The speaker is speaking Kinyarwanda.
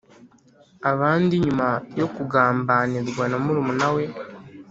Abandi nyuma yo kugambanirwa na murumuna we